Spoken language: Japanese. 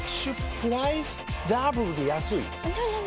プライスダブルで安いＮｏ！